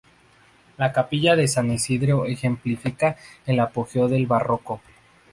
La Capilla de San Isidro ejemplifica el apogeo del barroco.